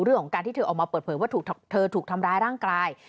เรื่องของการที่เธอออกมาเปิดเผยว่าเธอถูกทำร้ายร่างกาย